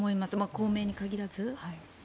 公明に限らず。